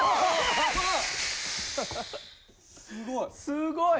すごい。